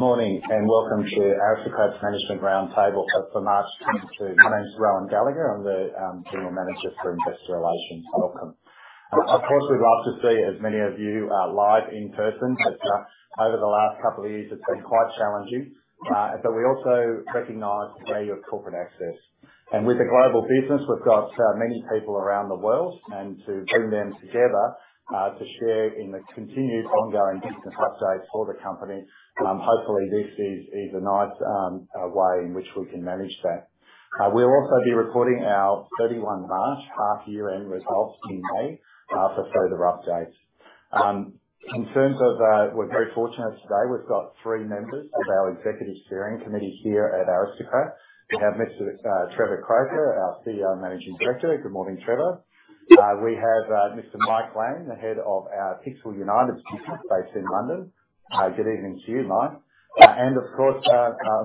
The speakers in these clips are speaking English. Good morning and welcome to Aristocrat's Management Roundtable for March 22nd. My name is Rohan Gallagher, I'm the General Manager for Investor Relations. Welcome. Of course we'd love to see as many of you live in person but over the last couple of years it's been quite challenging. We also recognize the value of corporate access and with the global business we've got many people around the world and to bring them together to share in the continued ongoing business updates for the Company. Hopefully this is a nice way in which we can manage that. We'll also be reporting our 31 March half year end results in May. For further updates in terms of we're very fortunate today we've got three members of our executive steering committee here at Aristocrat. We have Mr. Trevor Croker, our CEO and Managing Director. Good morning Trevor. We have Mr. Mike Lang, the Head of our Pixel United's business based in London. Good evening to you Mike. I am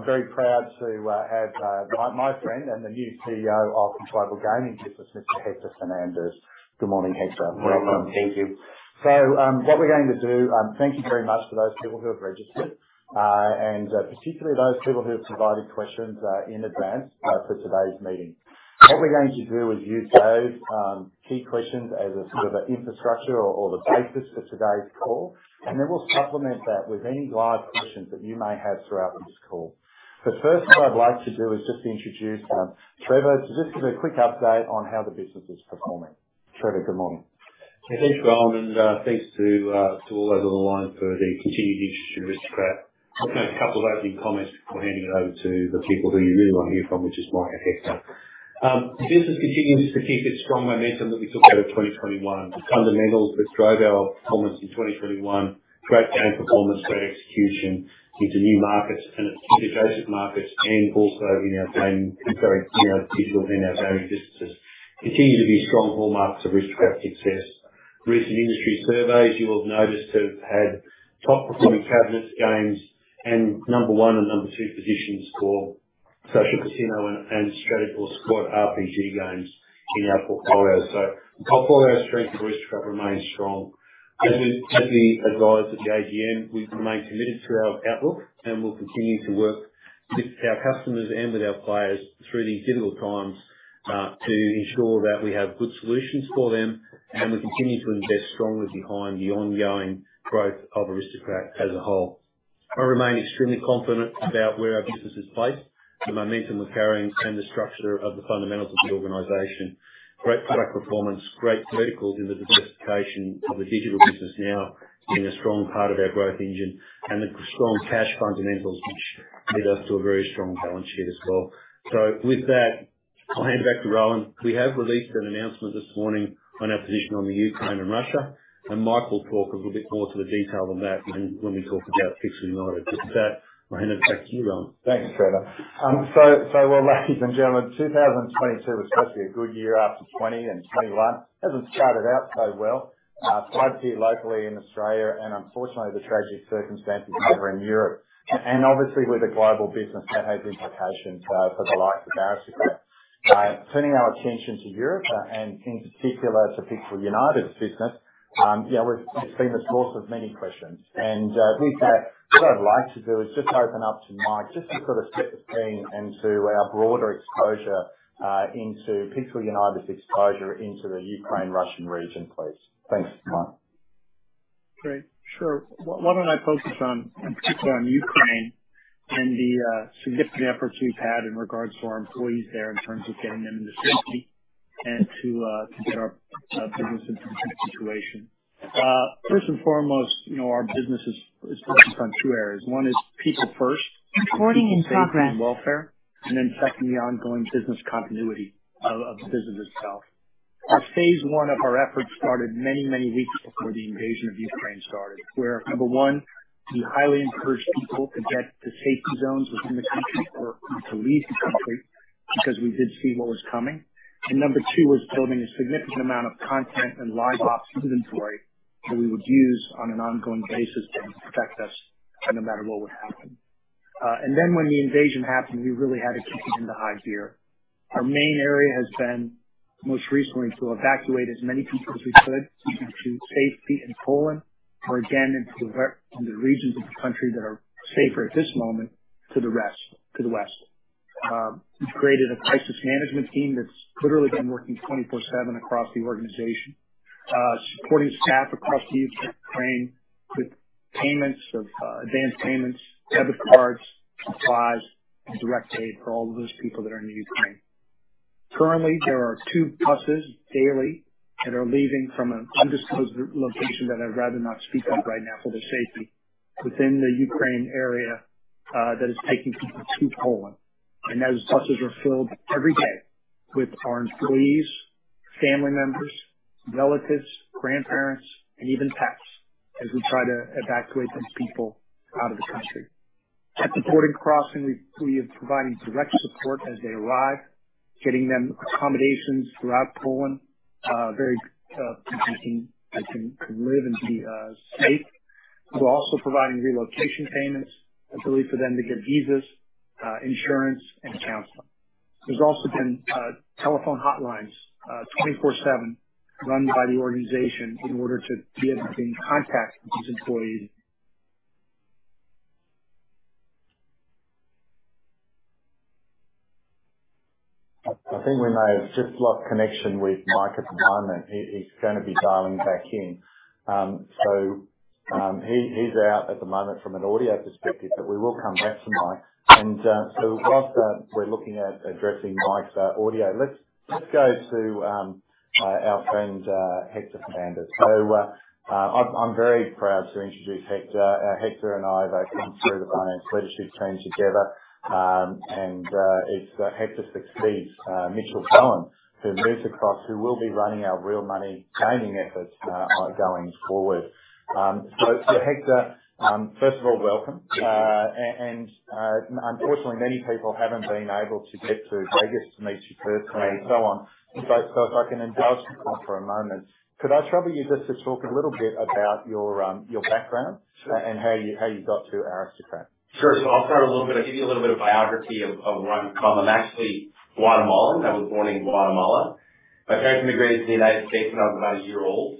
very proud to have my friend and the new CEO of Aristocrat Gaming Business, Mr. Hector Fernandez. Good morning Hector, welcome. Thank you. What we're going to do. Thank you very much to those people who have registered and particularly those people who have provided questions in advance for today's meeting. What we're going to do is use those key questions as a sort of infrastructure or the basis for today's call and then we'll supplement that with any live questions that you may have throughout this call. First, what I'd like to do is just introduce Trevor to just give a quick update on how the business is performing. Trevor, good morning. Thanks Rohan. Thanks to all those on the line for the continued interest in Aristocrat. Let's make a couple of opening comments before handing it over to the people who you really want to hear from, which is Mike and Hector. The business continues to keep its strong momentum that we took over 2021. The fundamentals that drove our performance in 2021, great game performance, great execution into new markets and adjacent markets, and also in our gaming, sorry, in our digital and our various businesses, continue to be strong hallmarks of Aristocrat's success. Recent industry surveys, you will have noticed, have had top performing cabinets, games, and number one and number two positions for Social Casino or Squad RPG games in our portfolio. So portfolio strength of Aristocrat remains strong as we advise at the AGM. We remain committed to our outlook and will continue to work with our customers and with our players through these difficult times to ensure that we have good solutions for them and we continue to invest strongly behind the ongoing growth of Aristocrat as a whole. I remain extremely confident about where our business is placed, the momentum we're carrying and the structure of the fundamentals of the organization. Great product performance, great verticals in the diversification of the digital business now being a strong part of our growth engine, and the strong cash fundamentals which lead us to a very strong balance sheet as well. With that, I'll hand it back to Rohan. We have released an announcement this morning on our position on the Ukraine and Russia. Mike will talk a little bit more to the detail than that when we talk about Pixel United, but with that, I'll hand it back to you, Rohan. Thanks, Trevor. Ladies and gentlemen, 2022 was supposed to be a good year after 2020 and 2021 haven't started out so well. Floods here locally in Australia and unfortunately the tragic circumstances over in Europe and obviously with a global business that has implications for the likes of Aristocrat. Turning our attention to Europe and in particular to Pixel United's business, it's been the source of many questions and with that what I'd like to do is just open up to Mike just to sort of step the team into our broader exposure into Pixel United's exposure into the Ukraine/Russian region, please. Thanks, Mike. Great, sure. Why don't I focus on Ukraine and the significant efforts we've had in regards to our employees there in terms of getting them into safety and to get our business into the situation. First and foremost, our business is focused on two areas. One is people first reporting in progress and then secondly, ongoing business continuity of the business itself. Phase 1 of our efforts started many, many weeks before the invasion of Ukraine started, where number one, we highly encouraged people to get to safety zones within the country or to leave the country because we did see what was coming. Number two was building a significant amount of content and live ops inventory that we would use on an ongoing basis that would protect us no matter what would happen. When the invasion happened, we really had to kick it into high gear. Our main area has been most recently to evacuate as many people as we could to safety in Poland or again into regions of the country that are safer at this moment to the rest, to the West. We have created a Crisis Management Team that has literally been working 24/7 across the organization, supporting staff across Ukraine with payments of advanced payments, debit cards, supplies, and direct aid for all those people that are in Ukraine. Currently, there are two buses daily that are leaving from an undisclosed location that I would rather not speak of right now for their safety within the Ukraine area that is taking people to Poland. Those buses are filled every day with our employees, family members, relatives, grandparents, and even pets as we try to evacuate those people out of the country at the porting crossing. We believe providing direct support as they arrive, getting them accommodations throughout Poland. Very live and be safe. We're also providing relocation payments, ability for them to get visas, insurance and counseling. There's also been telephone hotlines 24/7 run by the organization in order to be able to gain contact with these employees. I think we may have just lost connection with Mike at the moment. He's going to be dialing back in. He's out at the moment from an audio perspective. We will come back to Mike. Whilst we're looking at addressing Mike's audio, let's go to our friend Hector Fernandez. I'm very proud to introduce Hector. Hector and I have come through the Finance Leadership Team together and it's Hector succeeds Mitchell Bowen who moves across, who will be running our Real Money Gaming efforts going forward. Hector, first of all, welcome and unfortunately many people haven't been able to get to Vegas to meet you personally and so on. If I can indulge for a moment, could I trouble you just to talk a little bit about your background and how you got to Aristocrat? Sure. I'll start a little bit. I'll give you a little bit of biography of where I'm from. I'm actually Guatemalan. I was born in Guatemala. My parents immigrated to the United States when I was about a year old.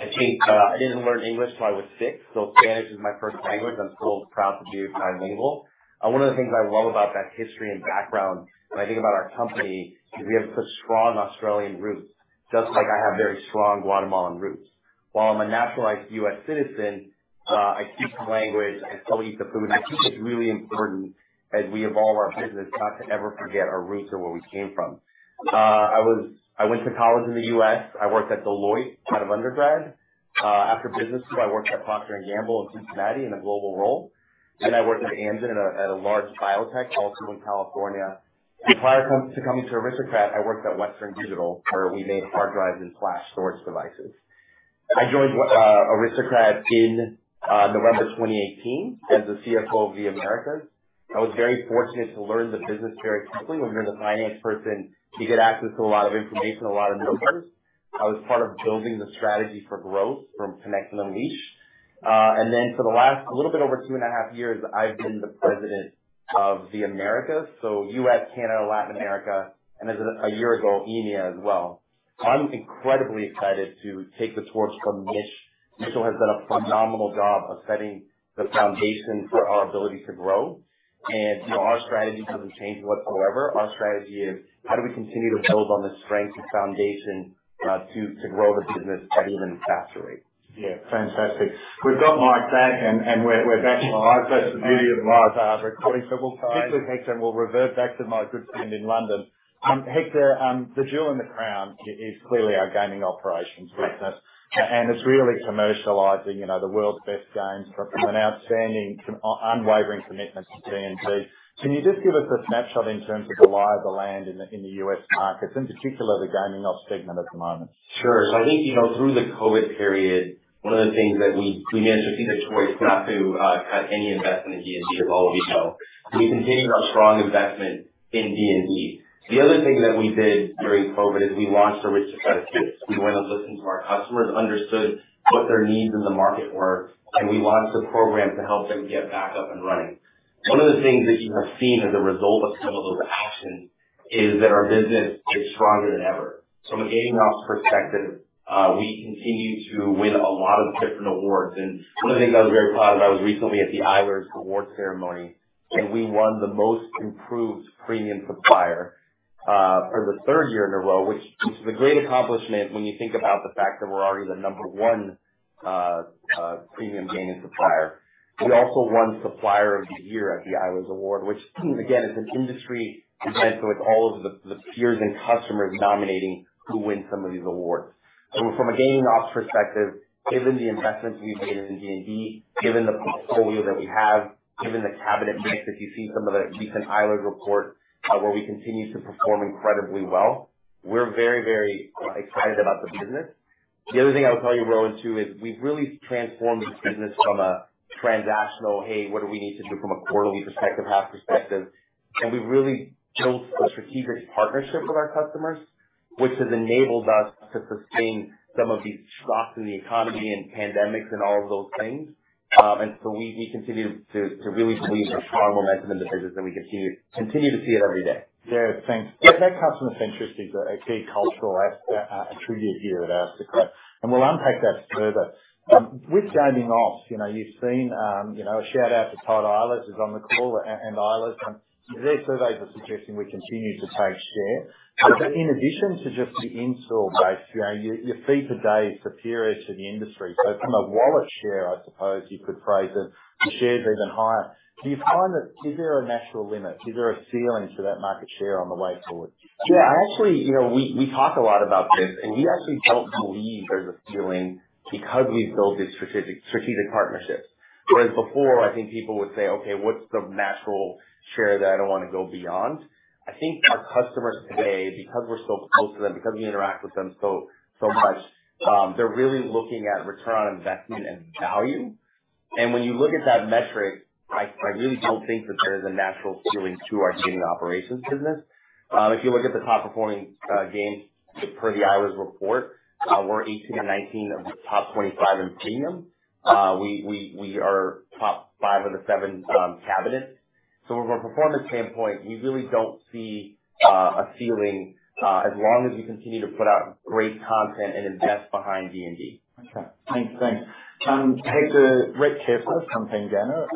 I didn't learn English until I was six, so Spanish is my first language. I'm still proud to be bilingual. One of the things I love about that history and background when I think about our Company is we have such strong Australian roots, just like I have very strong Guatemalan roots. While I'm a naturalized U.S. citizen, I speak the language, I still eat the food. I think it's really important as we evolve our business not to ever forget our roots or where we came from. I went to college in the U.S. I worked at Deloitte out of undergrad. After business school, I worked at Procter & Gamble in Cincinnati in a global role. I worked at Amgen at a large biotech also in California. Prior to coming to Aristocrat, I worked at Western Digital where we made hard drives and flash storage devices. I joined Aristocrat in November 2018 as the CFO of the Americas. I was very fortunate to learn the business very quickly. When you're the finance person, you get access to a lot of information, a lot of numbers. I was part of building the strategy for growth from Connect and Unleash. For the last a little bit over two and a half years, I've been the President of the Americas. U.S., Canada, Latin America, and as of a year ago, EMEA as well. I'm incredibly excited to take the torch from Mitch. Mitchell has done a phenomenal job of setting the foundation for our ability to grow and our strategy does not change whatsoever. Our strategy is how do we continue to build on the strengths and foundation to grow the business at even faster rates. Yeah, fantastic. We've got Mike back and we're back live. That's the beauty of live recording. We'll stick with Hector and we'll revert back to my good friend in London, Hector. The jewel in the crown is clearly our gaming operations business and it's really commercializing the world's best games from an outstanding, unwavering commitments to D&D. Can you just give us a snapshot in terms of the lie of the land in the U.S. markets, in particular the Gaming Ops segment at the moment? Sure. I think, you know, through the COVID period, one of the things that we managed to see was the choice not to cut any investment in D&D. As all of you know, we continued our strong investment in D&D. The other thing that we did during COVID is we launched Aristocrat Assist. We went and listened to our customers, understood what their needs in the market were, and we launched a program to help them get back up and running. One of the things that you have seen as a result of some of those actions is that our business is stronger than ever. From a Gaming Ops perspective, we continue to win a lot of different awards. One of the things I was very proud of, I was recently at. The Eilers Awards Ceremony and we won the Most Improved Premium Supplier for the third year in a row, which is a great accomplishment when you think about the fact that we're already the number one premium gaming supplier. We also won supplier of the year at the Eilers Award, which again is an industry event. It is all of the peers and customers nominating who win some of these awards. From a Gaming Ops perspective, given the investments we've made in D&D, given the portfolio that we have, given the cabinet mix, if you've seen some of the recent Eilers Report, where we continue to perform incredibly well, we're very, very excited about the business. The other thing I would tell you we're owing to is we've really transformed this business from a transactional, hey, what do we need to do from a quarterly perspective, half perspective. We really built a strategic partnership with our customers which has enabled us to sustain some of these shocks in the economy and pandemics and all of those things. We continue to really believe there's strong momentum in the business and we continue to see it every day. Yeah, thanks. That customer centricity is a key cultural attribute here at Aristocrat and we'll unpack that further with Gaming Ops. You know, you've seen, you know, a shout out to Todd Eilers is on the call and Eilers, their surveys are suggesting we continue to take share in addition to just the install base. Your Fee Per Day is superior to the industry. From a wallet share, I suppose you could phrase it, the share's even higher. Do you find that, is there a natural limit, is there a ceiling to that market share on the way forward? Yeah, actually we talk a lot about. This, and we actually don't believe there's. A ceiling because we built these strategic partnerships. Whereas before I think people would say, okay, what's the natural share that I don't want to go beyond? I think our customers today, because we're so close to them, because we interact with them so much, they're really looking at return on investment and value. When you look at that metric, I really don't think that there is a natural ceiling to our Gaming Operations business. If you look at the top performing games, per the Eilers Report, we're 18 and 19 of the top 25 in premium. We are top 5 of the 7 cabinets. From a performance standpoint, we really don't see a ceiling as long as we continue to put out great content and invest behind D&D. Okay, thanks. Thanks Hector. Rhett Kessler from Pengana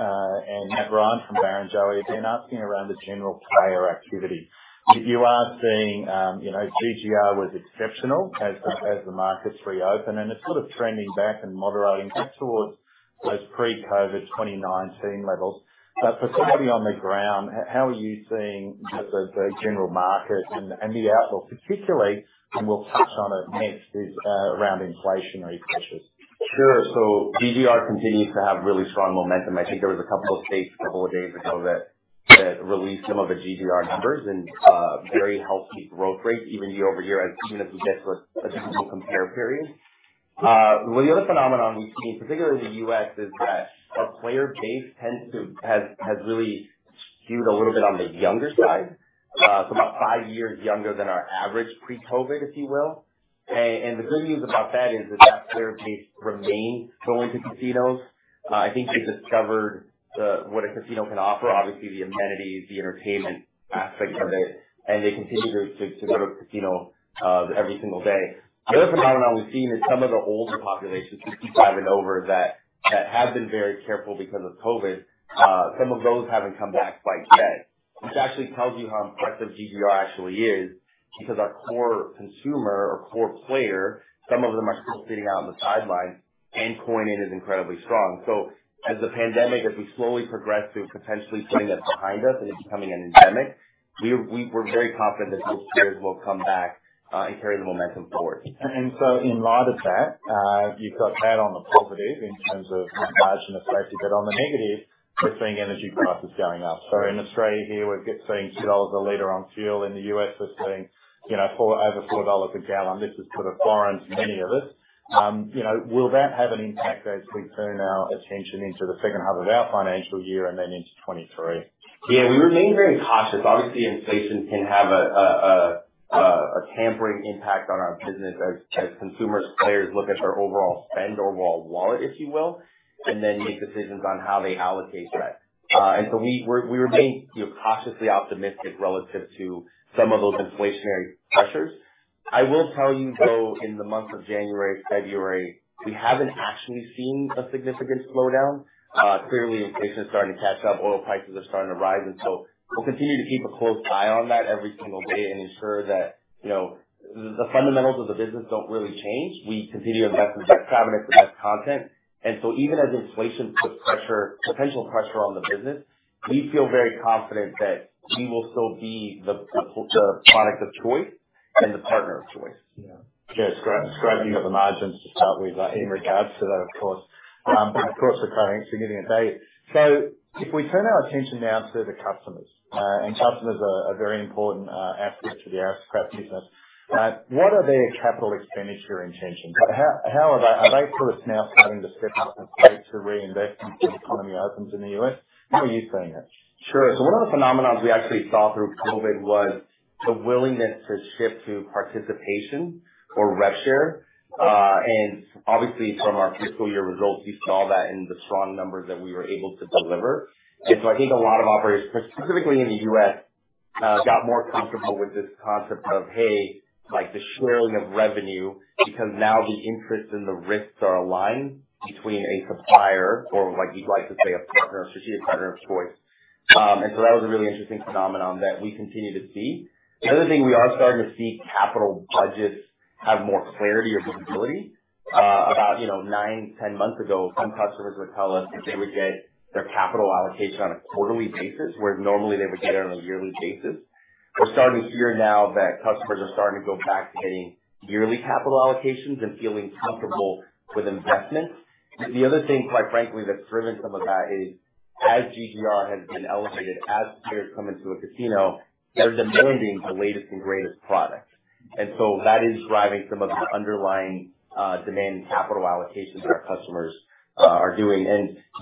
and Matt Ryan from Barrenjoey have been asking around the general player activity you are seeing. You know GGR was exceptional as the markets reopened and it is sort of trending back and moderating back towards those pre-COVID 2019 levels. For somebody on the ground, how are you seeing the general market and the outlook particularly and we will touch on it next is around inflationary pressures. Sure. GGR continues to have really strong momentum. I think there was a couple of states a couple of days ago that released some of the GGR numbers and very healthy growth rates even year over year. Even as we get to a difficult compare, period. The other phenomenon we've seen, particularly the U.S., is that our player base tends to has really skewed a little bit on the younger side, about five years younger than our average pre-COVID, if you will. The good news about that is that their base remains going to casinos. I think they discovered what a casino can offer, obviously the amenities, the entertainment aspect of it, and they continue to go to a casino every single day. The other phenomenon we've seen is some. Of the older population, 65 and over. That have been very careful because of COVID. Some of those have not come back quite yet, which actually tells you how impressive GGR actually is, because our core consumer or core player, some of them, are still sitting out on the sideline and coin in is incredibly strong. As the pandemic, as we slowly progress to potentially putting that behind us and it becoming an endemic, we are very confident that those players will come back and carry the momentum forward. In light of that, you've got that on the positive in terms of margin of safety, but on the negative, seeing energy prices going up. In Australia here we're seeing 2 dollars a litre on fuel, in the U.S. we're seeing over $4 a gallon. This is for the foreign, many of us. Will that have an impact as we turn our attention into the second half of our financial year and then into 2023? Yeah, we remain very cautious. Obviously inflation can have a tampering impact. On our business as consumers, players look at their overall spend, overall wallet, if you will, and then make decisions on how they allocate that. We remain cautiously optimistic relative to some of those inflationary pressures. I will tell you though, in the month of January, February, we have not actually seen a significant slowdown. Clearly inflation is starting to catch up, oil prices are starting to rise and we will continue to keep a close eye on that every single day and ensure that the fundamentals of the business do not really change. We continue to invest in the best cabinets, the best content. Even as inflation puts pressure, potential pressure on the business, we feel very confident that we will still be the product of choice and the partner of choice. Yeah, it's great. You've got the margins to start with in regards to that, of course, of course we're currently in value. If we turn our attention now to the customers, and customers are very important aspects of the Aristocrat business, what are their capital expenditure intentions? How are they, are they sort of now starting to step up and reinvest? Economy happens in the U.S. How are you seeing it? Sure. One of the phenomenons we actually saw through COVID was the willingness to shift to participation or rev share. Obviously from our fiscal year results you saw that in the strong numbers that we were able to deliver. I think a lot of operators specifically in the U.S. got more comfortable with this concept of hey, like the sharing of revenue because now the interest and the risks are aligned between a supplier or like you'd like to say a partner, strategic partner of choice. That was a really interesting phenomenon that we continue to see. The other thing we are starting to see, capital budgets have more clarity or visibility. About, you know, nine, 10 months ago, some customers would tell us that they would get their capital allocation on a quarterly basis where normally they would get it on a yearly basis. We're starting to hear now that customers are starting to go back to getting yearly capital allocations and feeling comfortable with investments. The other thing, quite frankly, that's driven some of that is as GGR has been elevated, as players come into a casino, they're demanding the latest and greatest product. That is driving some of the underlying demand and capital allocation that our customers are doing.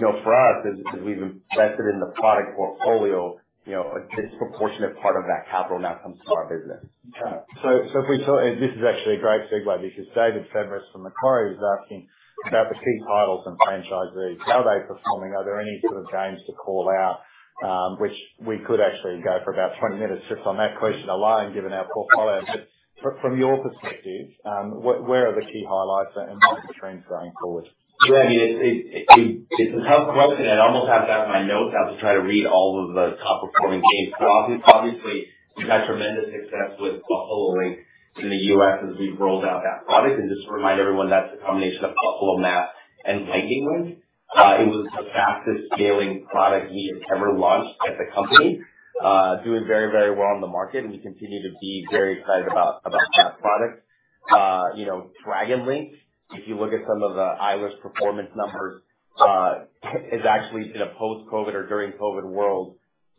For us, as we've invested in the product portfolio, a disproportionate part of that capital now comes to our business. If we talk, this is actually a great segue because David Fabris from Macquarie was asking about the key titles and franchises, how are they performing? Are there any sort of games to call out which we could actually go for about 20 minutes just on that question alone, given our portfolio. From your perspective, where are the key highlights and market trends going forward? Yeah, I mean it's a tough question. I almost have to have my notes, I have to try to read all of the top performing games. Obviously we've had tremendous success with Buffalo Link in the U.S. as we rolled out that product. Just to remind everyone, that's a combination of Buffalo math and Lightning Link, it was the fastest scaling product we had ever launched at the Company, doing very. Very well in the market and we continue to be very excited about that product. Dragon Link, if you look at some of the Eilers performance numbers, is actually in a post COVID or during COVID world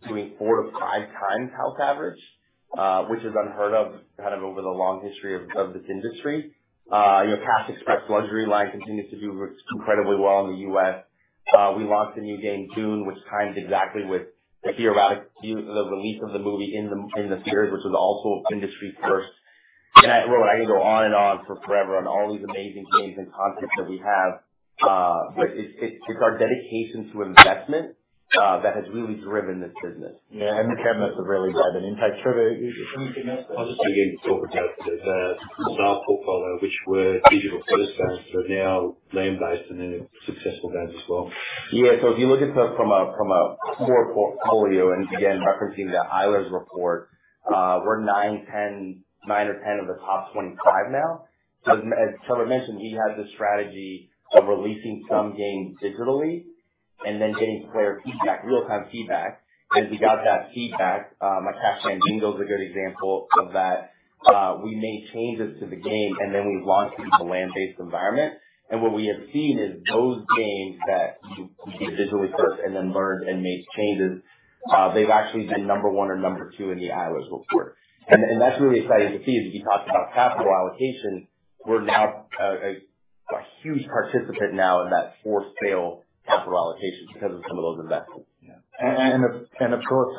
doing four to five times house average, which is unheard of, kind of over the long history of this industry. You know, Cash Express Luxury Line continues to do incredibly well in the U.S. We launched a new game, Dune, which timed exactly with the theoretical, the release of the movie in the theatres which was also industry first and I could go on and on forever on all these amazing games and content that we have. It's our dedication to investment that has really driven this business. Yeah. The cabinets have really made an impact. Trevor? I'll just again talk about the for-sale portfolio, which were digital-first games but now land-based, and they're successful games as well. Yeah. If you look at from a core portfolio and again referencing the Eilers Report, we are 9, 10, 9 or 10 of the top 25. Now as Trevor mentioned, he had the strategy of releasing some games digitally and then getting player feedback, real time feedback and we got that feedback. Cashman Bingo is a good example of that. We made changes to the game and then we launched into the land based environment and what we have seen is. Those games that you competed digitally first. Then learned and made changes. They've actually been number one or number two in the Eilers Report and that's really exciting to see. As we talked about capital allocation, we're now a huge participant now in that for sale capital allocation because of some of those investments. Of course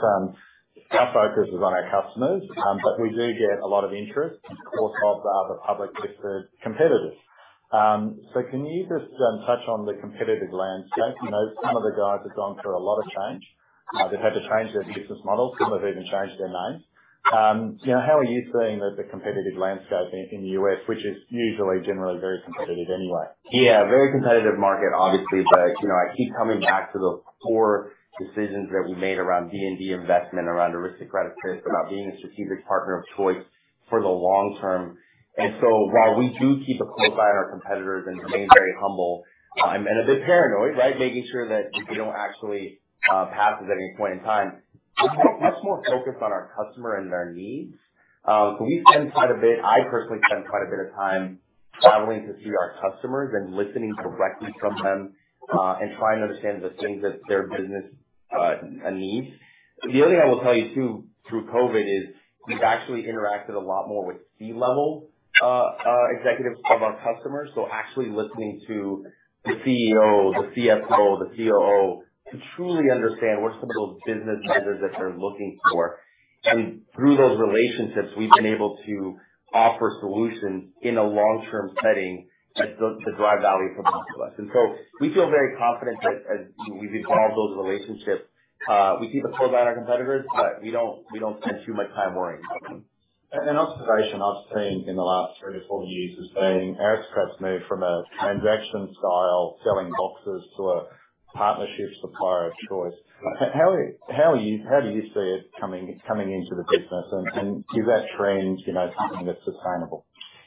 our focus is on our customers, but we do get a lot of interest off of the public listed competitors. Can you just touch on the competitive landscape? Some of the guys have gone through a lot of change. They've had to change their business model, some have even changed their name. How are you seeing the competitive landscape in the U.S., which is usually generally very competitive anyway? Yeah, very competitive market obviously. I keep coming back to the core decisions that we made around D&D investment, around Aristocrat Assist, about being a strategic partner of choice for the long term. While we do keep a close eye on our competitors and remain very humble and a bit paranoid, making sure that we do not actually pass this at any point in time, much more focused on our customer and their needs. We spend quite a bit, I personally spend quite a bit of time traveling to see our customers and listening directly from them and trying to understand the things that their business needs. The other thing I will tell you too through COVID is we have actually interacted a lot more with C-level executives of our customers. Actually listening to the CEO, the CFO, the COO to truly understand what are some of those business measures that they're looking for. Through those relationships we've been able to offer solutions in a long term setting to drive value for both of us. We feel very confident that as we evolve those relationships. We keep a close eye on our competitors, but we don't spend too much time worrying about them. An observation I've seen in the last three to four years has been Aristocrat's moved from a transaction style selling boxes to a partnership supplier of choice. How do you see it coming into the business and is that trend something that's sustainable?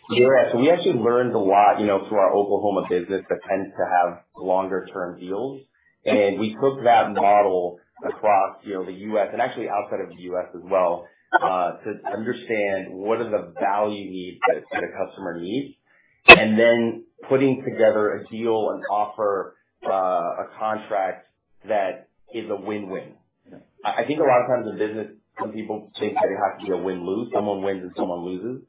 Yeah. We actually learned a lot through our Oklahoma business that tends to have longer term deals. We took that model across the U.S. and actually outside of the U.S. as well to understand what are the value needs that a customer needs. Then putting together a deal, an offer, a contract, that is a win win. I think a lot of times in. Business, some people think Teddy has to. Be a win lose. Someone wins and someone loses.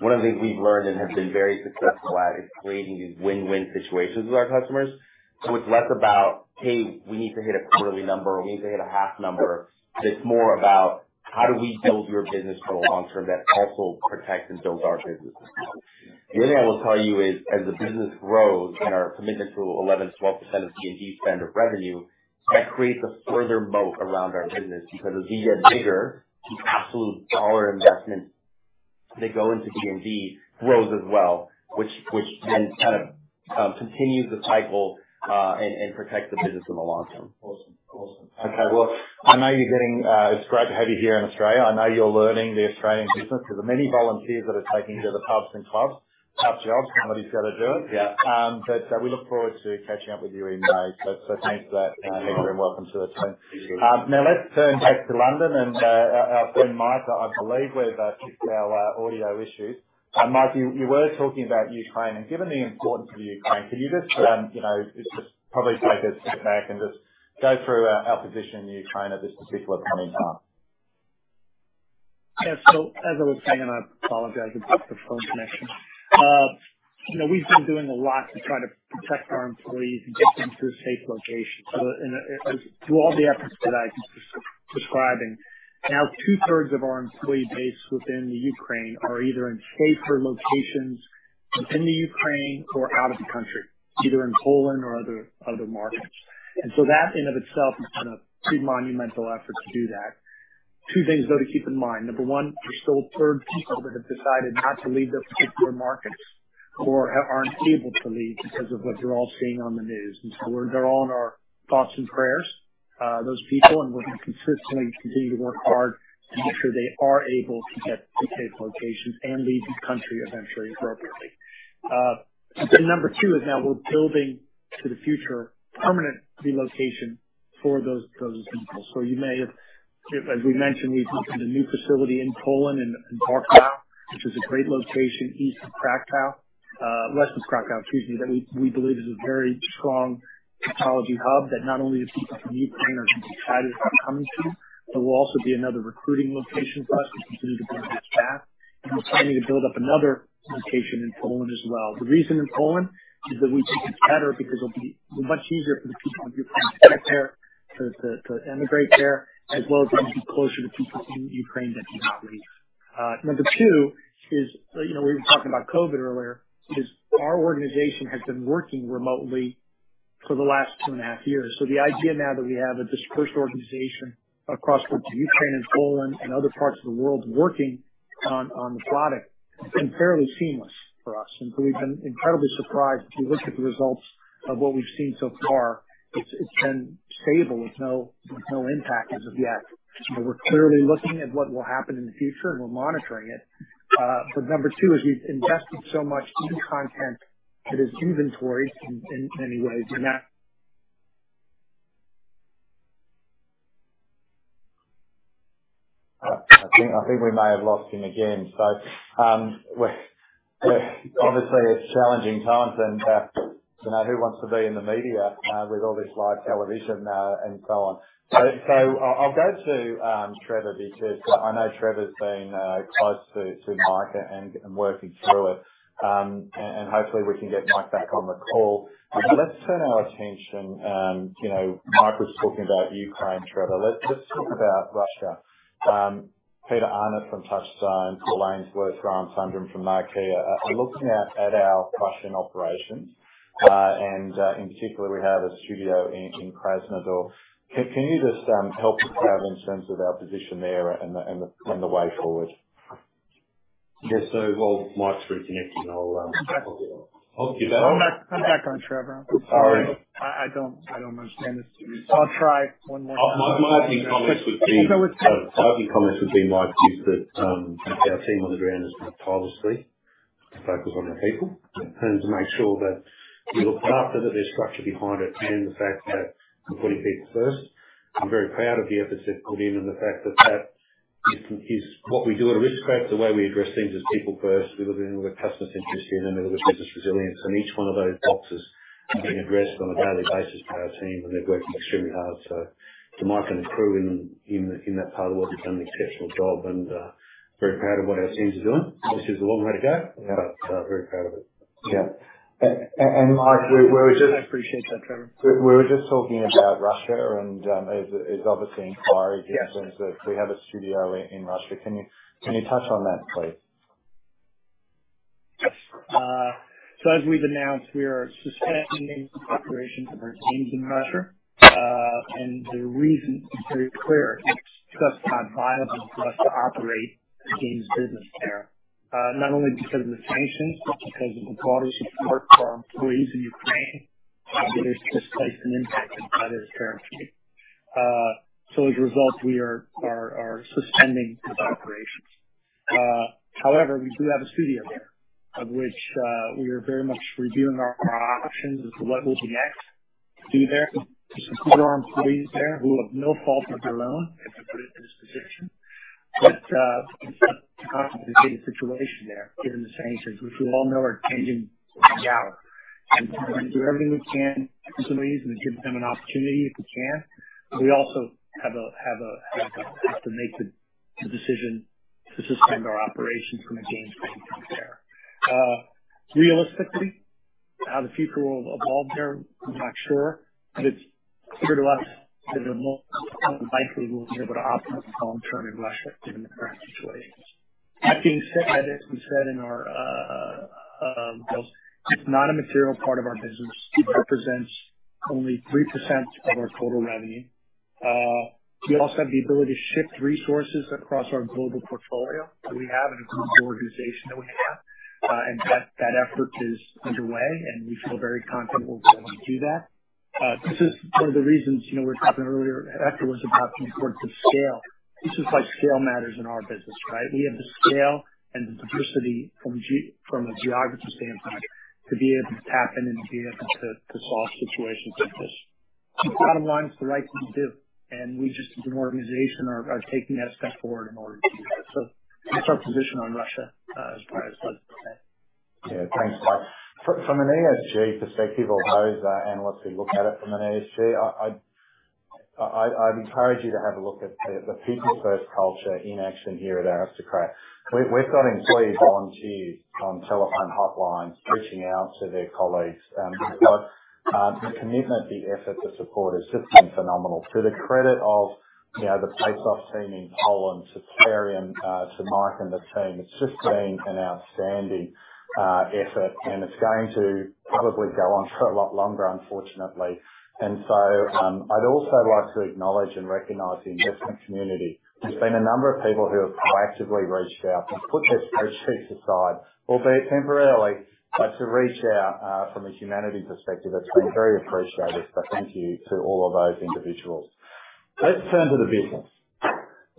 One of the things we've learned and have been very successful at is creating these win win situations with our customers. It is less about, hey, we need to hit a quarterly number, we need to hit a half number. It is more about how do we build your business for the long term. That also protects and builds our business. The other thing I will tell you is our commitment to 11%-12% of D&D spend of revenue. That creates a further moat around our business because as we get bigger, absolute dollar investments that go into D&D grow as well, which then kind of continues the cycle and protects the business. Business in the long term. Okay, I know you're getting. It's great to have you here in Australia. I know you're learning the Australian business. There's the many volunteers that are taking to the pubs and clubs. Tough job. Somebody's got to do it. We look forward to catching up with you in May. Thanks for that. Welcome to the team. Now let's turn back to London and our friend Mike. I believe we've kicked our audio issues. Mike, you were talking about Ukraine and given the importance of Ukraine, could you just probably take a step back and just go through our position in Ukraine at this particular point? As I was saying, and I apologize about the phone connection, we've been doing a lot to try to protect our employees and get them to a safe location. Through all the efforts that I am describing now, two thirds of our employee base within the Ukraine are either in safer locations within the Ukraine or out of the country, either in Poland or other markets. That in itself is kind of two monumental efforts to do that. Two things though to keep in mind. Number one, there's still a third of people that have decided not to leave their particular markets or aren't able to leave because of what you're all seeing on the news. They're all in our thoughts and prayers, those people. We're going to consistently continue to work hard to make sure they are able to get locations and leave the country eventually. Appropriately. Number two is that we're building to the future permanent relocation for those examples. As we mentioned, we've opened a new facility in Poland in Bielsko-Biała, which is a great location west of Cracow, excuse me. We believe that is a very strong technology hub that not only the people from Ukraine are excited about coming to, there will also be another recruiting location for us to continue to bring this back. Signing to build up another location in Poland as well. The reason in Poland is that we think it's better because it'll be much easier for the people of Ukraine to get there, to immigrate there, as well as closer to people in Ukraine that do not leave. Number two is, you know, we were talking about COVID earlier, our organization has been working remotely for the last two and a half years. The idea now that we have a dispersed organization across Ukraine and Poland and other parts of the world working on the product, it's been fairly seamless for us. We've been incredibly surprised. If you look at the results of what we've seen so far, it's been stable with no impact as of yet. We're clearly looking at what will happen in the future and we're monitoring it. Number two is we've invested so much in content that is inventoried in many ways. I think we may have lost him again. Obviously, it's challenging times and who wants to be in the media with all this live television and so on? I'll go to Trevor because I know Trevor's been close to Mike and working through it and hopefully we can get Mike back on the call. Let's turn our attention. You know, Mike was talking about Ukraine. Trevor, let's talk about Russia. Peta Arnott from Touchstone, Paul Ainsworth, Rohan Sundram from Marquee are looking at our Russian operations and in particular we have a studio in Krasnodar. Can you just help us have in terms of our position there and the way forward? Yes. While Mike's reconnecting, I'll. I'm back on, Trevor. I'm sorry, I don't understand this. I'll try one more time. My opening comments would be. Comments would be my piece that our team on the ground is tirelessly to focus on our people and to make sure that we looked after that. There is structure behind it and the fact that we are putting people first. I am very proud of the efforts they have put in and the fact that that is what we do at Aristocrat. The way we address things is people first, we look at customer centricity in and we look at business resilience and each one of those boxes being addressed on a daily basis by our team and they are working extremely hard. Mike and the crew in that part of the world have done an exceptional job and very proud of what our teams are doing. This is a long way to go, but very proud of it. Mike. I appreciate that Trevor. We were just talking about Russia and is obviously inquiry in terms of we have a studio in Russia. Can you touch on that please? Yes. As we've announced, we are suspending operations of our games in Russia, and the reason is very clear. It's just not viable for us to operate games business there not only because of the sanctions but because of the broader support for our employees in Ukraine. There's displaced and impacted by this currency. As a result we are suspending those operations. However, we do have a studio there of which we are very much reviewing our options as to what will be next to there to support our employees there who have no fault with their loan if they're put into this position. Given the sanctions, which we all know are changing, we're going to do everything we can to employees and give them an opportunity if we can. We also have to make the decision to suspend our operations from a game standpoint there. Realistically, how the future will evolve there I'm not sure. It's clear to us that likely we'll be able to optimize long term in Russia, given the current situations. That being said, as we said in our announcement, it's not a material part of our business. It represents only 3% of our total revenue. We also have the ability to shift resources across our global portfolio that we have and a global organization that we have. That effort is underway and we feel very confident we'll be able to do that. This is one of the reasons, you know, we were talking earlier, Hector, was about the importance of scale. This is why scale matters in our business. Right. We have the scale and the diversity. From a geography standpoint, to be able to tap in and be able to solve situations like this, bottom line is the right thing to do. We just as an organization are taking that step forward in order to do that. That is our position on Russia. From an ESG perspective, or those analysts who look at it from an ESG. I'd encourage you to have a look at the people first culture in action here at Aristocrat. We've got employees, volunteers on telephone hotlines reaching out to their colleagues. The commitment, the effort, the support has just been phenomenal. To the credit of the Playsoft team in Poland, to Plarium, to Mike and the team, it's just been an outstanding effort and it's going to probably go on for a lot longer, unfortunately. I'd also like to acknowledge and recognise the investment community. There's been a number of people who have proactively reached out to put their spreadsheets aside, albeit temporarily, but to reach out from a humanity perspective. It's been very appreciated. Thank you to all of those individuals. Let's turn to the business.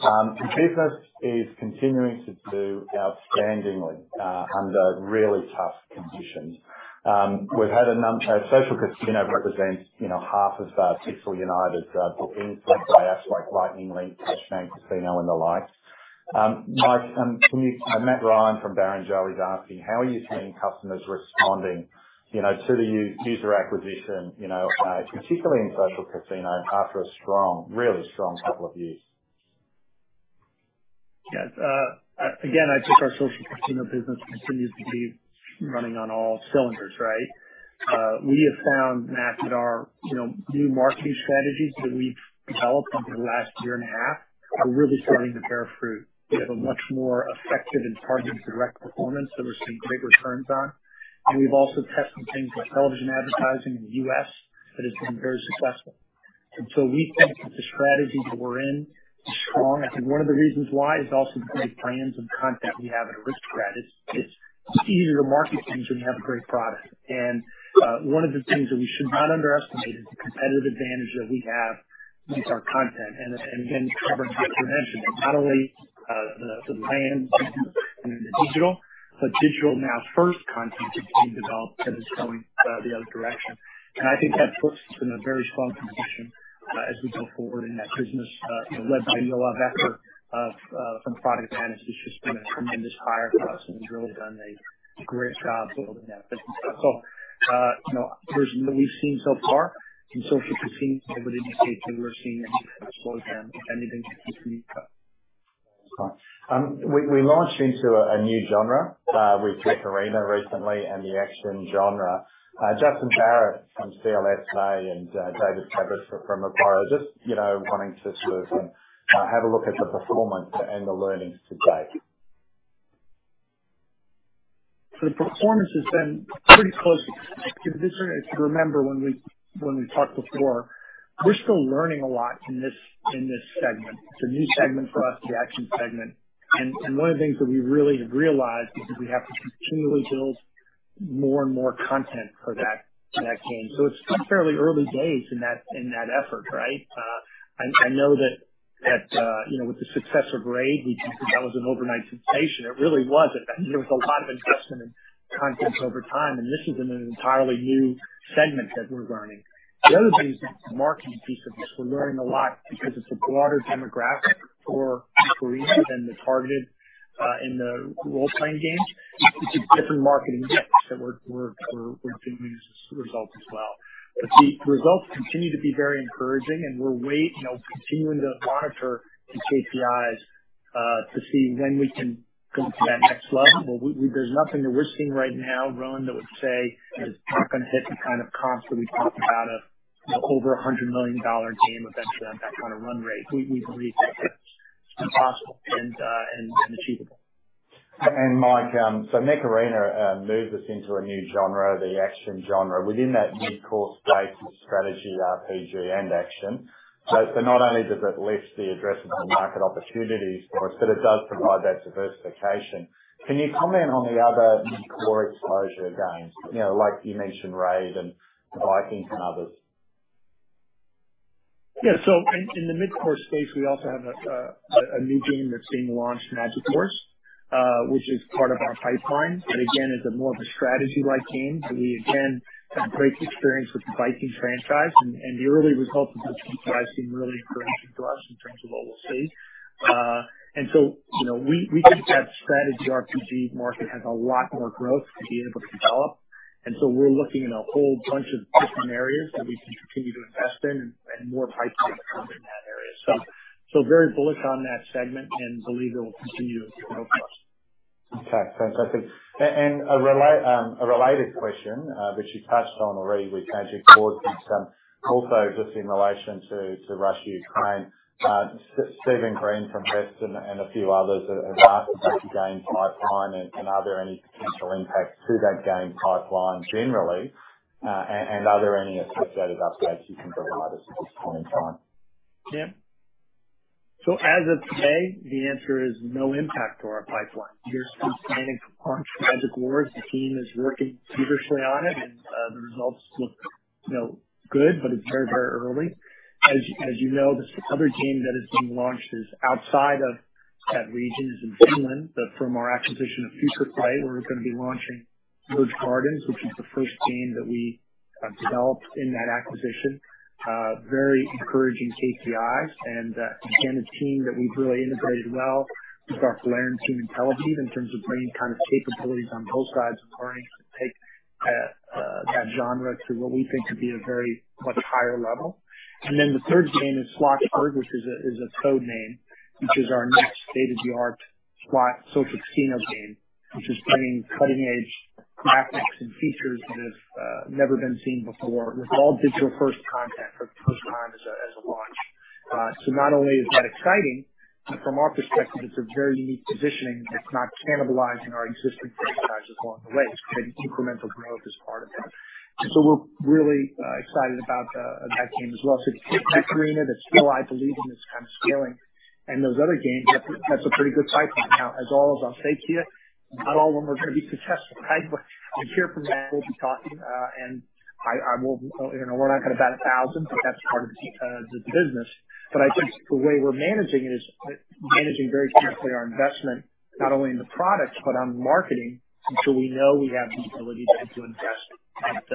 Business is continuing to do outstandingly under really tough conditions. We've had a number. Social Casino represents half of Pixel United's bookings, led by apps like Lightning Link, Cashman Casino and the like. Mike, Matt Ryan from Barrenjoey is asking, how are you seeing customers responding to the user acquisition, particularly in Social Casino after a strong, really strong couple of years? Yes, again, I think our Social Casino business continues to be running on all cylinders. Right. We have found, Matt, that our new marketing strategies that we've developed over the last year and a half are really starting to bear fruit. We have a much more effective and targeted direct performance that we're seeing great returns on. We have also tested things like television advertising in the U.S. that has been very successful. We think that the strategy that we're in is strong. I think one of the reasons why is also the great brands of content we have at Aristocrat. It's easier to market things when you have a great product. One of the things that we should not underestimate is the competitive advantage that we have in our content. Again, Trevor and Hector mentioned it, that not only the land and the digital, but digital now, first content that's being developed, that is going the other direction. I think that puts us in a very strong position as we go forward in that business. Led by Yoav Ecker from Product Madness, has been a tremendous hire for us and really done a great job building that business that we've seen so far. For the decades that we're seeing, if anything. We launched into a new genre with Mech Arena recently and the action genre, Justin Barratt from CLSA and David Fabris from Macquarie. Just wanting to sort of have a look at the performance and the learnings to date. The performance has been pretty close. Remember when we talked before, we're still learning a lot in this segment. It's a new segment for us, the action segment. One of the things that we really have realized is that we have to continually build more and more content for that game. It's fairly early days in that effort. I know that with the success of RAID, that was an overnight sensation. It really wasn't. There was a lot of investment content over time and this is an entirely new segment that we're learning. The other thing is the marketing piece of this. We're learning a lot because it's a broader demographic for Mech Arena than the targeted in the role playing games. It's a different marketing mix that we're doing as a result as well. The results continue to be very encouraging and we're continuing to monitor the KPIs to see when we can go to that next level. There's nothing that we're seeing right now, Rohan, that would say it's not going to hit the kind of comps that we talk about. Over $100 million game eventually on that kind of run rate. We believe that's possible and achievable. Mike, Mech Arena moves us into a new genre, the action genre, within that core space of strategy RPG and action. Not only does it lift the addressable market opportunities for us, but it does provide that diversification. Can you comment on the other mid-core exposure games like you mentioned, RAID and Vikings and others? Yeah, in the mid-core space we also have a new game that's being launched, Magic Wars, which is part of our pipeline. Again, it's more of a strategy-like game. We have great experience with the Viking franchise and the early results of the KPIs seem really encouraging to us in terms of what we'll see. We think that strategy RPG market has a lot more growth to be able to develop. We're looking at a whole bunch of different areas that we can continue to invest in and more pipeline in that area. Very bullish on that segment and believe it will continue to grow for us. Okay, fantastic. A related question which you touched on already with Magic Wars, also just in relation to Russia, Ukraine, Steven Green from REST and a few others have asked about the game pipeline and are there any potential impacts to that game pipeline generally and are there any associated updates you can provide us at this point in time. As of today, the answer is no impact to our pipeline. Here's Magic Wars. The team is working feverishly on it and the results look good, but it's very, very early. As you know, the other team that is being launched is outside of that region is in Finland. From our acquisition of Futureplay we're going to be launching Merge Gardens, which is the first game that we developed in that acquisition. Very encouraging KPIs and again a team that we've really integrated well with our Plarium team in Tel Aviv in terms of bringing kind of capabilities on both sides of learning to take that genre to what we think to be a very much higher level. The third game is Slotsberg, which is a code name, which is our next state of the art Social Casino game, which is bringing cutting edge graphics and features that have never been seen before with all digital first content, first time as a launch. Not only is that exciting from our perspective, it's a very unique positioning. It's not cannibalizing our existing franchises along the way, it's creating incremental growth as part of that. We are really excited about that game as well. So take Mech Arena, I believe in this kind of scaling and those other games, that's a pretty good pipeline. As I'll say to you, not all of them are going to be successful. Right. We hear from Matt, we'll be talking about and we're not going to bet 1000, but that's part of the business. I think the way we're managing it is managing very carefully our investment, not only in the product but on marketing until we know we have the ability to invest at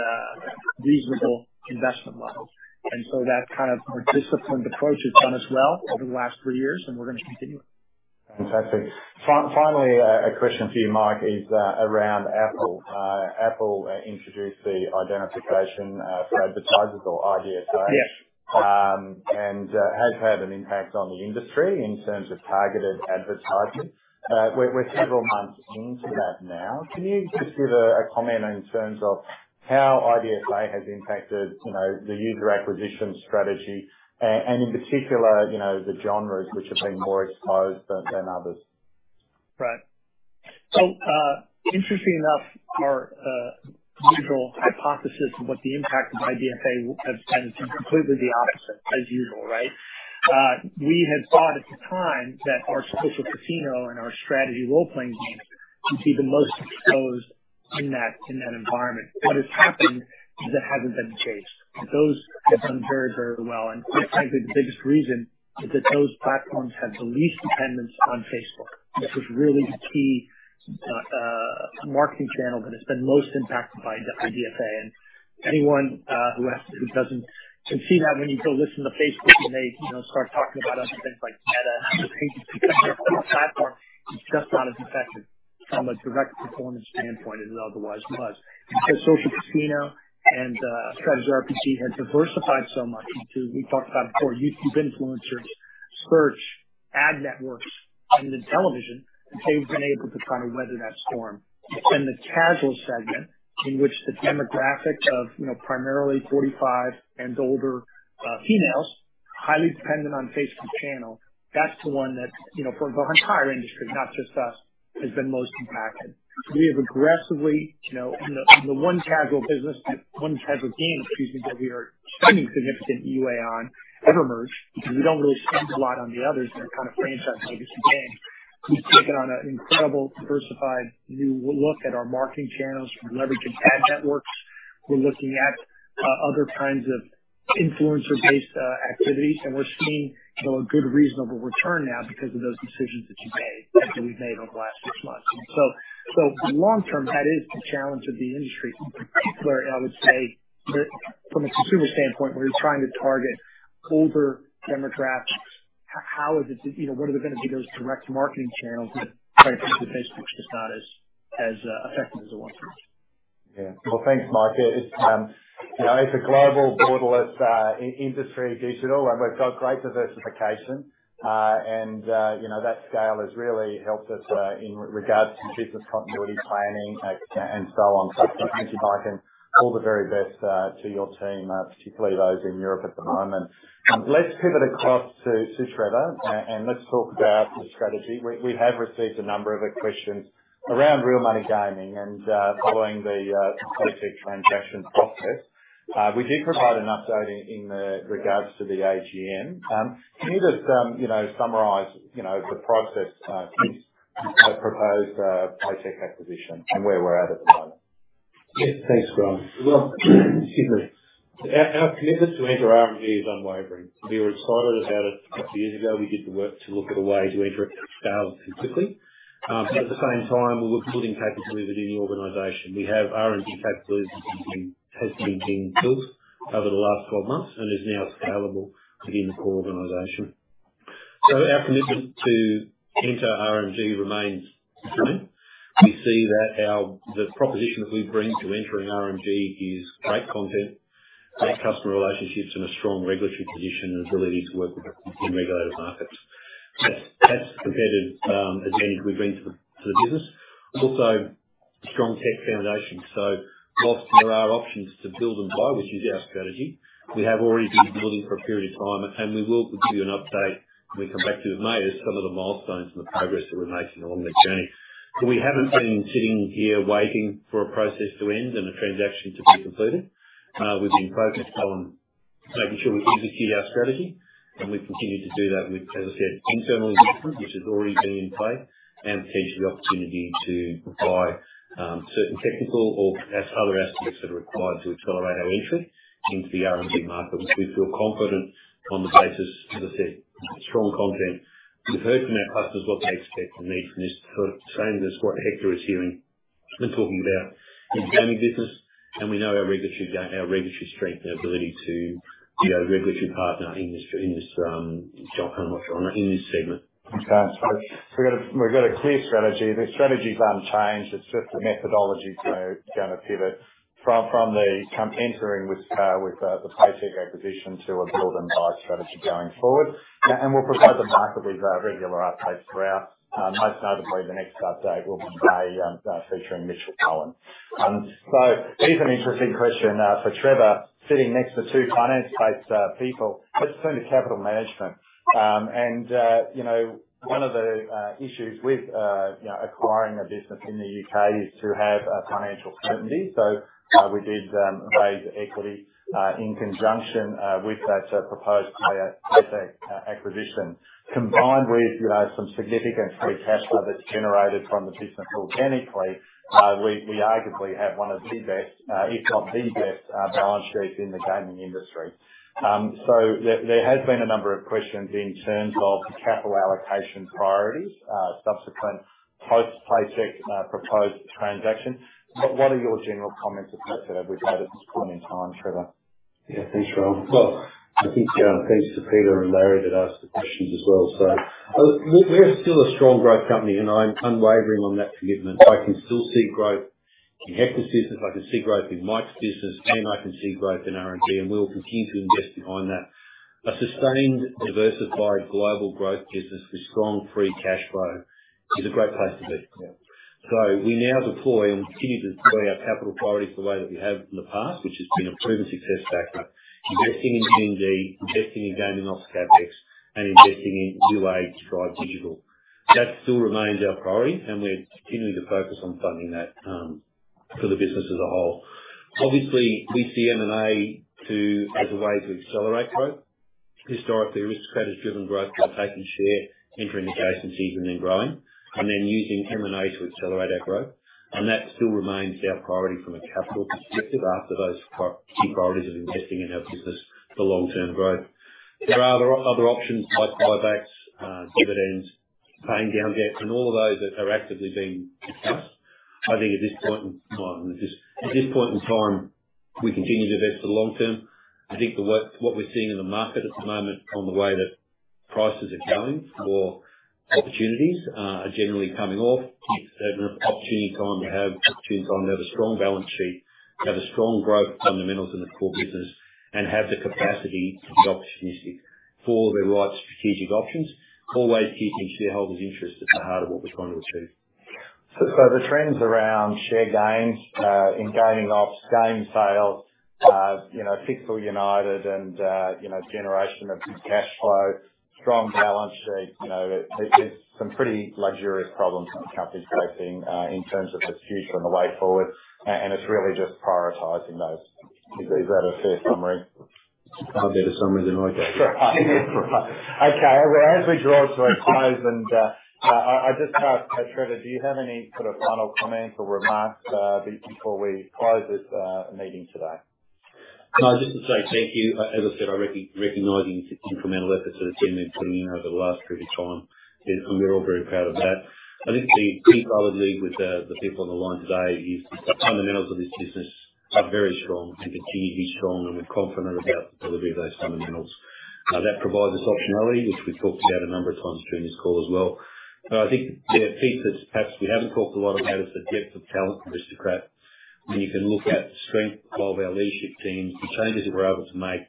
reasonable investment levels. That kind of more disciplined approach has done us well over the last three years and we're going to continue. Fantastic. Finally a question for you. Mike is around Apple introduced the identification for advertisers or IDFA and has had an impact on the industry in terms of targeted advertising. We're several months into that now. Can you just give a comment in terms of how IDFA has impacted the user acquisition strategy and in particular the genres which have been more exposed than others. Right. Interesting enough, our hypothesis of what the impact of IDFA has done has been completely the opposite as usual. We had thought at the time that our Social Casino and our strategy role playing games would be the most exposed in that environment. What has happened is it has not been the case. Those have done very, very well. Frankly, the biggest reason is that those platforms have the least dependence on Facebook. This was really the key marketing channel that has been most impacted by IDFA. Anyone who does not can see that when you go listen to Facebook and they start talking about other things like Meta, how-to pages, because they are a platform, it is just not as effective from a direct performance standpoint as it otherwise was. Because Social Casino and strategy RPG have diversified so much. We talked about it before. You've been influencers, search ad networks and the television, they've been able to kind of weather that storm. The Casual segment in which the demographic of primarily 45 and older females highly dependent on Facebook channel, that's the one that for the entire industry, not just us, has been most impacted. We have aggressively the one casual business, that one casual game, excuse me, that we are spending significant UA on EverMerge because we don't really spend a lot on the others that are kind of franchise legacy games. We've taken on an incredible diversified new look at our marketing channels, leveraging ad networks, we're looking at other kinds of influencer based activities and we're seeing a good reasonable return now because of those decisions that you made that we've made over the last six months. Long term, that is the challenge of the industry, I would say from a consumer standpoint where you're trying to target older demographics, how is it, what are going to be those direct marketing channels that Facebook is just not as effective as it wants? Thanks Mike. It's a global borderless industry, digital, and we've got great diversification and that scale has really helped us in regards to business class continuity, planning and so on. Thank you Mike and all the very best to your team, particularly those in Europe at the moment. Let's pivot across to Trevor and let's talk about the strategy. We have received a number of questions around Real Money Gaming and following the Playtech transaction process, we did provide an update in regards to the AGM. Can you just summarise, you know, the process since the proposed Playtech acquisition and where we're at at the moment. Thanks, Rohan. Excuse me. Our commitment to enter RMG is unwavering. We were excited about it a couple years ago. We did the work to look at a way to enter at scale and quickly. At the same time we were building capability within the organization. We have RMG capabilities, has been built over the last 12 months and is now scalable within the core organization. Our commitment to enter RMG remains. We see that the proposition that we bring to entering RMG is great content, great customer relationships, and a strong regulatory position and ability to work within regulated markets. That's the competitive advantage we bring to the business. Also strong tech foundation. Whilst there are options to build and buy, which is our strategy, we have already been building for a period of time and we will give you an update when we come back to May as some of the milestones and the progress that we're making along that journey. We haven't been sitting here waiting for a process to end and a transaction to be completed. We've been focused on making sure we execute our strategy and we continue to do that with, as I said, internal investment which has already been in place and potentially the opportunity to buy certain technical or other aspects that are required to accelerate our entry into the RMG market, which we feel confident on the basis, as I said, strong content. We've heard from our customers what they expect and need from this sort of saying. That's what Hector is hearing and talking about in the gaming business. We know our regulatory strength and ability to be a regulatory partner in this segment. Okay, we've got a clear strategy. The strategy's on time. The methodology is going to pivot from entering with the Playtech acquisition to a build and buy strategy going forward. We will provide the market with regular updates throughout. Most notably, the next update will be May featuring Mitchell Bowen. Here's an interesting question for Trevor. Sitting next to two finance-based people, let's turn to capital management. You know one of the issues with acquiring a business in the U.K. is to have financial certainty. We did raise equity in conjunction with that proposed Playtech acquisition combined with some significant free cash flow that's generated from the business organically. We arguably have one of the best, if not the best, balance sheets in the gaming industry. There has been a number of questions in terms of capital allocation priorities subsequent post Playtech proposed transaction. What are your general comments about that we've had at this point in time, Trevor? Yeah, thanks Rohan. I think thanks to Peta and Larry that asked the questions as well. We're still a strong growth Company and I'm unwavering on that commitment. I can still see growth in Hector's business, I can see growth in Mike's business and I can see growth in RMG and we'll continue to see invest behind that. A sustained diversified global growth business with strong free cash flow is a great place to be. We now deploy and continue to deploy our capital priorities the way that we have in the past, which has been a proven success factor. Investing in D&D, investing in Gaming Ops CapEx and investing in UA to drive digital. That still remains our priority and we're continuing to focus on funding that for the business as a whole. Obviously we see M&A as a way to accelerate growth. Historically, Aristocrat has driven growth by taking share, entering adjacencies and then growing, and then using M&A to accelerate our growth. That still remains our priority from a capital perspective. After those key priorities of investing in our business for long term growth, there are other options like buybacks, dividends, paying down debt, and all of those that are actively being discussed. I think at this point in time we continue to invest for the long term. I think what we're seeing in the market at the moment on the way that prices are going for opportunities are generally coming off opportunity. Time to have opportune, time to have a strong balance sheet, have strong growth fundamentals in the core business and have the capacity to be opportunistic for the right strategic options. Always keeping shareholders' interest at the heart of what we're trying to achieve. The trends around share gains in Gaming Ops, Game Sales, Pixel United, and generation of good cash flow, strong balance sheet. There are some pretty luxurious problems that the Company's facing in terms of the future and the way forward and it's really just prioritizing those. Is that a fair summary? A better summary than I do. Okay. As we draw to a close though, and I just asked Trevor, do you have any sort of final comments or remarks before we close this meeting today? No, just to say thank you. As I said, I recognise the incremental efforts that the team has been putting in over the last period of time and we're all very proud of that. I think with the people on the line today, the fundamentals of this business are very strong and continue to be strong and we're confident about the delivery of those fundamentals. That provides us optionality, which we talked about a number of times during this call as well. I think the piece that perhaps we haven't talked a lot about is the depth of talent from Aristocrat. When you can look at the strength of our leadership teams, the changes that we're able to make,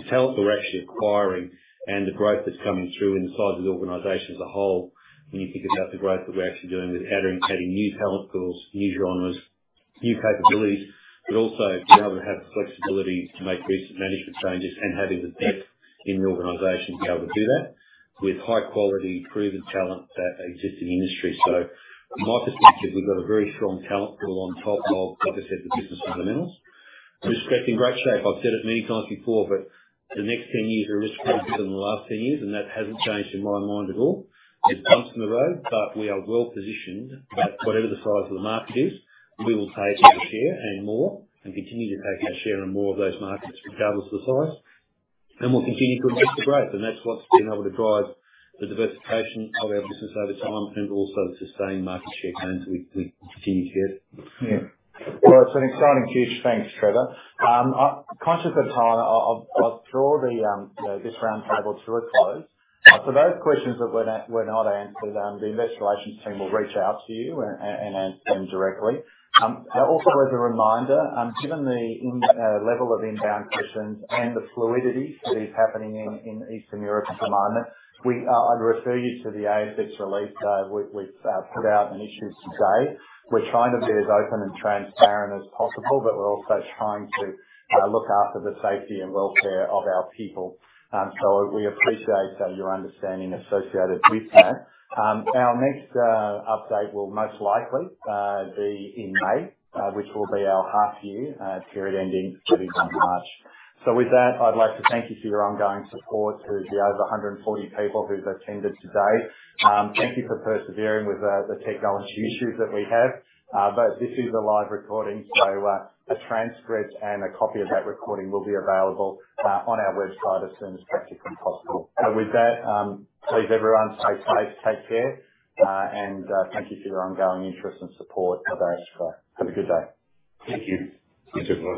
the talent we're actually acquiring and the growth that's coming through inside of the organization as a whole when you think about the growth that we're actually doing with adding new talent pools, new genres, new capabilities, but also being able to have the flexibility to make recent management changes and having the depth in the organization to be able to do that with high quality, proven talent that exist in the industry. From my perspective, we've got a very strong talent pool on top of, like I said, the business fundamentals risk in great shape. I've said it many times before, the next 10 years, we're risk quite a bit in the last 10 years and that hasn't changed in my mind at all. There's bumps in the road but we are well positioned that whatever the size of the market is, we will pay to this year and more and continue to take our share in more of those markets, regardless of the size. We'll continue to invest the growth. That's what's been able to drive the. Diversification of our business over time and also sustained market share gains that we continue to get. It's an exciting pitch. Thanks Trevor. Conscious of time. I'll draw this roundtable to a close. For those questions that were not answered, the Investor Relations Team will reach out to you. Also as a reminder, given the level of inbound sessions and the fluidity that is happening in Eastern Europe at the moment, I'd refer you to the ASX release. We've put out an issue today. We're trying to be as open and transparent as possible, but we're also trying to look after the safety and welfare of our people. We appreciate your understanding associated with that. Our next update will most likely be in May, which will be our half year period ending that is in March. With that I'd like to thank you for your ongoing support. To the over 140 people who've attended today, thank you for persevering with the technology issues that we have. This is a live recording, so a transcript and a copy of that recording will be available on our website as well as practically possible. With that, please everyone stay safe. Take care and thank you for your ongoing interest and support of Aristocrat. Have a good day. Thank you.